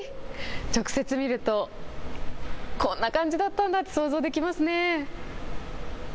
直接見るとこんな感じだったんだと想像できますね。